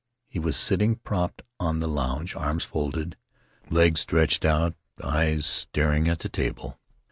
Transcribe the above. He was sitting propped on the lounge, arms folded, legs stretched out, eyes staring at the table.